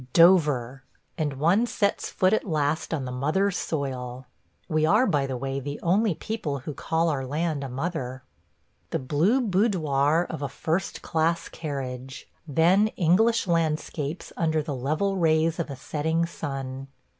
... Dover – and one sets foot at last on the mother soil. (We are, by the way, the only people who call our land a mother.) ... the blue boudoir of a first class carriage – then English landscapes under the level rays of a setting sun.